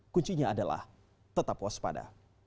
kuncinya adalah tetap waspada